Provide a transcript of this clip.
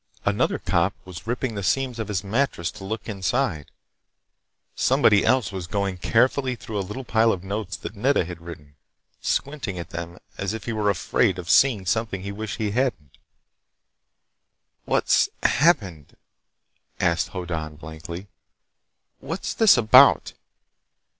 Another cop was ripping the seams of his mattress to look inside. Somebody else was going carefully through a little pile of notes that Nedda had written, squinting at them as if he were afraid of seeing something he'd wish he hadn't. "What's happened?" asked Hoddan blankly. "What's this about?"